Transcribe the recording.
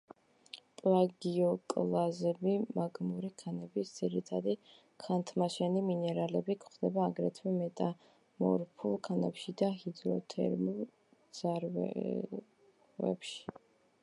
პლაგიოკლაზები მაგმური ქანების ძირითადი ქანთმაშენი მინერალები, გვხვდება აგრეთვე მეტამორფულ ქანებში და ჰიდროთერმულ ძარღვებში.